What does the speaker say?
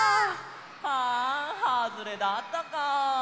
あはずれだったか。